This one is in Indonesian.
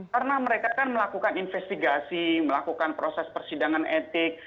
karena mereka kan melakukan investigasi melakukan proses persidangan etik